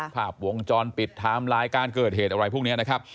ภาพวงจรปิดไทม์ไลน์การเกิดเหตุอะไรพวกนี้นะครับ